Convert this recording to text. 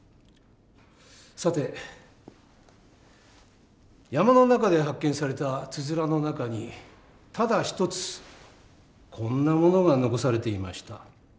さて山の中で発見されたつづらの中にただ一つこんなものが残されていました。